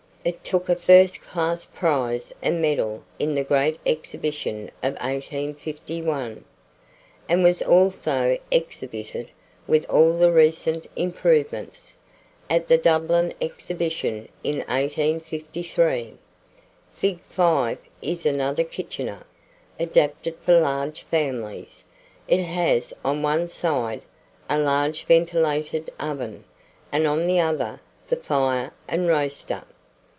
It took a first class prize and medal in the Great Exhibition of 1851, and was also exhibited, with all the recent improvements, at the Dublin Exhibition in 1853. Fig. 5 is another kitchener, adapted for large families. It has on the one side, a large ventilated oven; and on the other, the fire and roaster.